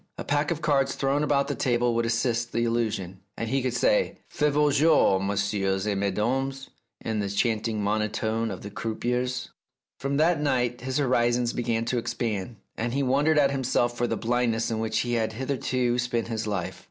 A pack of cards thrown about the table would assist the illusion, and he could say, " Faites vos jenx, messieurs et mesdames," in the chanting monotone of the croupiers. From that night his horizons began to expand, and he wondered at himself for the blindness in which he had hitherto spent his life.